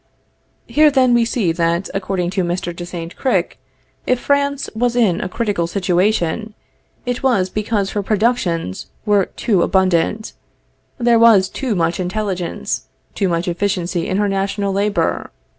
Here then we see that, according to Mr. de Saint Cricq, if France was in a critical situation, it was because her productions were too abundant; there was too much intelligence, too much efficiency in her national labor.